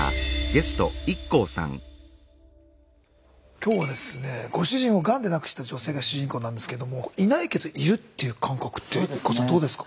今日はですねご主人をがんで亡くした女性が主人公なんですけども「いないけどいる」っていう感覚ってＩＫＫＯさんどうですか？